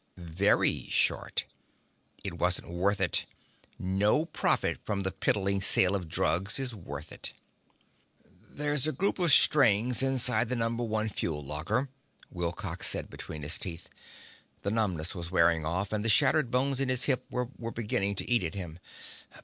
"Very short. It wasn't worth it. No profit from the piddling sale of drugs is worth it." "There's a group of strings inside the number one fuel locker," Wilcox said between his teeth. The numbness was wearing off, and the shattered bones in his hip were beginning to eat at him.